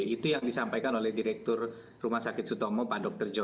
itu yang disampaikan oleh direktur rumah sakit sutomo pak dr joshu